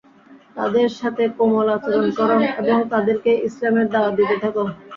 তাদের সাথে কোমল আচরণ কর এবং তাদেরকে ইসলামের দাওয়াত দিতে থাক।